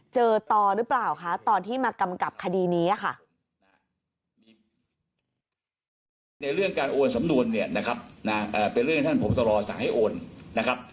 เจอต่อหรือเปล่าคะตอนที่มากำกับคดีนี้ค่ะ